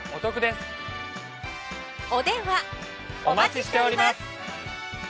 お待ちしております。